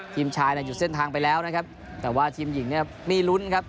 ทีมชายน่ะหยุดเส้นทางไปแล้วนะครับแต่ว่าทีมหญิงเนี่ยมีลุ้นครับ